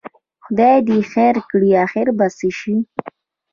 خدای دې خیر کړي، اخر به څه شي؟